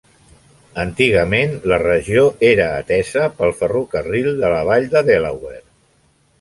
Antigament, la regió era atesa pel Ferrocarril de la Vall de Delaware.